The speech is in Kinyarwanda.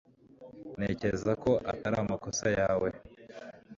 ntekereza ko atari amakosa yawe